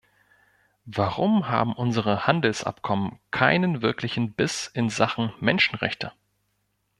Warum haben unsere Handelsabkommen keinen wirklichen Biss in Sachen Menschenrechte?